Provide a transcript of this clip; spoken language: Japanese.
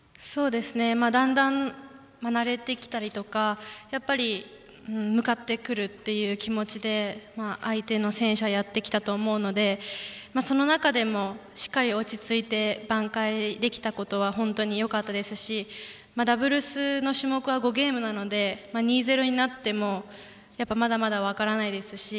だんだん慣れてきたりとか向かってくるっていう気持ちで相手の選手はやってきたと思うのでその中でもしっかり落ち着いて挽回できたことは本当によかったですしダブルスの種目は５ゲームなので２−０になってもまだまだ分からないですし